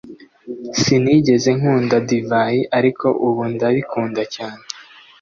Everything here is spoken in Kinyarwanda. Sinigeze nkunda divayi ariko ubu ndabikunda cyane